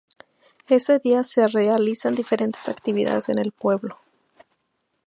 Ese día se realizan diferentes actividades en el pueblo.